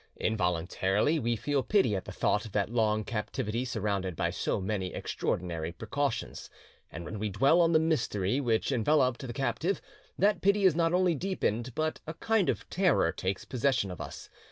Involuntarily we feel pity at the thought of that long captivity surrounded by so many extraordinary precautions, and when we dwell on the mystery which enveloped the captive, that pity is not only deepened but a kind of terror takes possession of us.